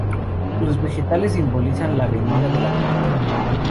Los vegetales simbolizan la venida de la primavera.